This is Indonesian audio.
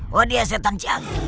wadihak setan jangki